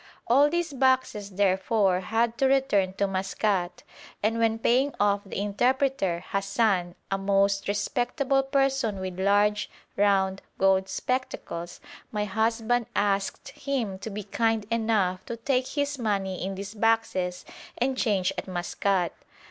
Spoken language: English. All these boxes, therefore, had to return to Maskat, and when paying off the interpreter, Hassan, a most respectable person with large, round, gold spectacles, my husband asked him to be kind enough to take his money in these boxes and change at Maskat.